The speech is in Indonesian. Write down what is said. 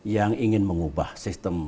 yang ingin mengubah sistem